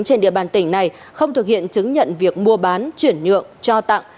trên địa bàn tỉnh này không thực hiện chứng nhận việc mua bán chuyển nhượng cho tặng